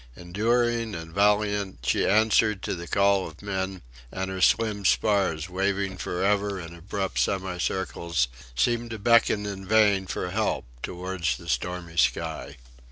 Enduring and valiant, she answered to the call of men; and her slim spars waving for ever in abrupt semicircles, seemed to beckon in vain for help towards the stormy sky.